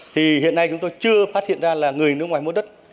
thì hiện nay chúng tôi chưa phát hiện ra là người nước ngoài mua đất